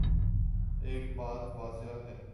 ایک بات واضح ہے۔